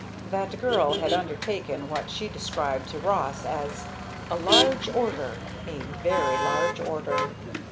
That girl had undertaken what she described to Ross as "a large order a very large order."